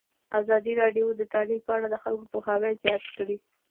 ازادي راډیو د تعلیم په اړه د خلکو پوهاوی زیات کړی.